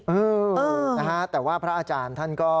เออนะฮะแต่ว่าพระอาจารย์ท่านก็